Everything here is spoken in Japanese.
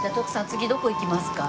次どこ行きますか？